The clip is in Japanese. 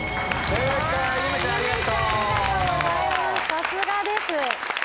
さすがです。